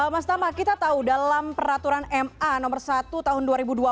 mas tama kita tahu dalam peraturan ma nomor satu tahun dua ribu dua puluh